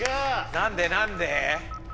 何で何で？